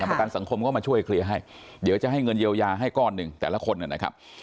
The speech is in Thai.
ประกันสังคมก็มาช่วยเคลียร์ให้เดี๋ยวจะให้เงินเยียวยาให้ก้อนหนึ่งแต่ละคนนะครับ